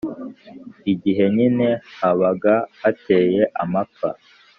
igihe nyine habaga hateye amapfa.